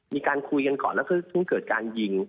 มีการคุยกันก่อนแล้วก็เพิ่งเกิดการยิง